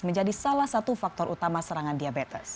menjadi salah satu faktor utama serangan diabetes